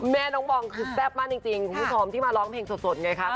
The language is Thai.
แม่น้องบองคือแซ่บมากจริงคุณผู้ชมที่มาร้องเพลงสดไงคะ